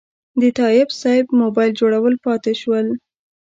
د تایب صیب موبایل جوړول پاتې شول.